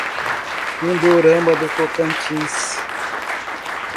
Pindorama do Tocantins